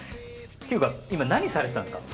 っていうか今何されてたんですか？